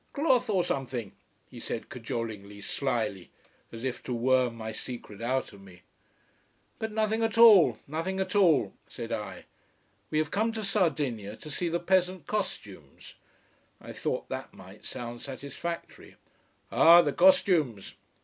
"Cloth or something," he said cajolingly, slyly, as if to worm my secret out of me. "But nothing at all. Nothing at all," said I. "We have come to Sardinia to see the peasant costumes " I thought that might sound satisfactory. "Ah, the costumes!"